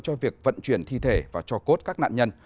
cho việc vận chuyển thi thể và cho cốt các nạn nhân